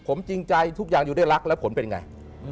ผมจริงใจทุกอย่างอยู่ด้วยรักแล้วผลเป็นไง